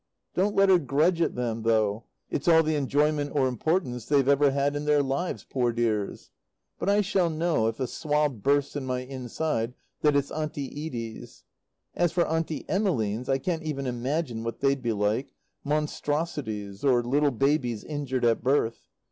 Don't let her grudge it them, though; it's all the enjoyment, or importance, they're ever had in their lives, poor dears. But I shall know, if a swab bursts in my inside, that it's Auntie Edie's. As for Auntie Emmeline's, I can't even imagine what they'd be like monstrosities or little babies injured at birth.